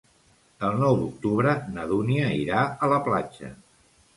El nou d'octubre na Dúnia irà a la platja.